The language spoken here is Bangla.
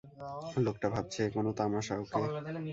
লোকটা ভাবছে এটা কোনো তামাশা, ওকে?